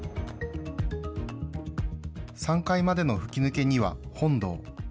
３階までの吹き抜けには本堂。